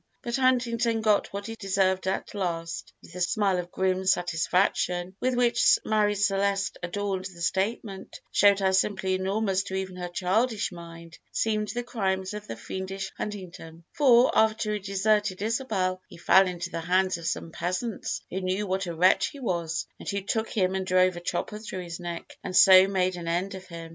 But Huntington got what he deserved at last" (and the smile of grim satisfaction with which Marie Celeste adorned the statement showed how simply enormous to even her childish mind seemed the crimes of the fiendish Huntington), "for after he deserted Isabel he fell into the hands of some peasants, who knew what a wretch he was, and who took him and drove a chopper through his neck, and so made an end of him.